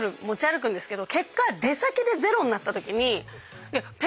結果出先でゼロになったときに。